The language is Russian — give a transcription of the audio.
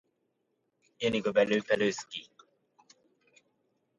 Мы признаем определяющую роль, которую Первый комитет играет в решении важных вопросов разоружения.